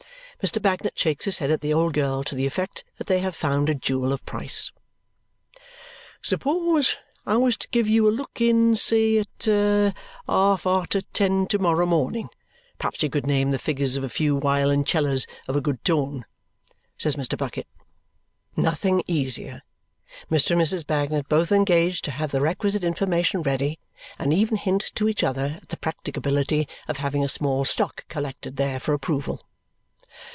Mr. Bagnet shakes his head at the old girl to the effect that they have found a jewel of price. "Suppose I was to give you a look in, say, at half arter ten to morrow morning. Perhaps you could name the figures of a few wiolincellers of a good tone?" says Mr. Bucket. Nothing easier. Mr. and Mrs. Bagnet both engage to have the requisite information ready and even hint to each other at the practicability of having a small stock collected there for approval.